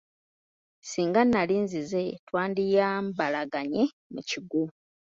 Singa nali nzize twandiyambalaganye mu kigwo.